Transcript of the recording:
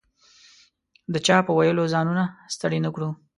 د چا په ویلو ځانونه ستړي نه کړو.